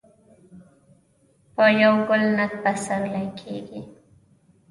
په یو ګل نه پسرلې کیږي.